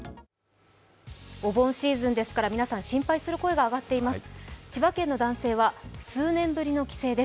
お盆シーズンですから皆さん、心配する声が上がっています。